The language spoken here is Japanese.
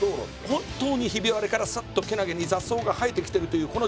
本当にひび割れからすっとけなげに雑草が生えてきてるというこの状態。